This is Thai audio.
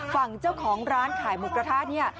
ฝั่งเจ้าของร้านขายหมูกระทะเนี่ย